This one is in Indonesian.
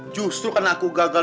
justru karena aku gagal